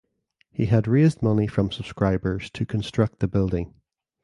He had raised money from subscribers to construct the building.